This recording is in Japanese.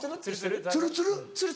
ツルツル？